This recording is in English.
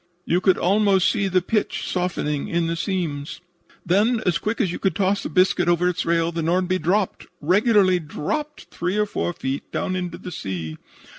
You could almost see the pitch softening in the seams. "Then, as quick as you could toss a biscuit over its rail, the Nordby dropped regularly dropped three or four feet down into the sea.